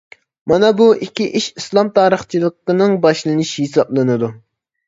مانا بۇ ئىككى ئىش ئىسلام تارىخچىلىقىنىڭ باشلىنىشى ھېسابلىنىدۇ.